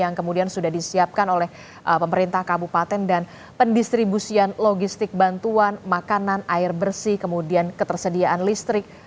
yang kemudian sudah disiapkan oleh pemerintah kabupaten dan pendistribusian logistik bantuan makanan air bersih kemudian ketersediaan listrik